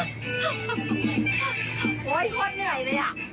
เราเดินมาจากโลกในใต้อ่ะ